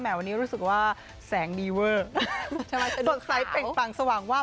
แหมวันนี้รู้สึกว่าสังดีเวอร์สดใสเปลี่ยนปังสว่างวาบ